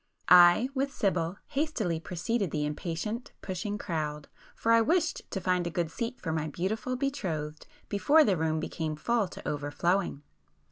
I, with Sibyl, hastily preceded the impatient, pushing crowd, for I wished to find a good seat for my beautiful betrothed before the room became full to over flowing.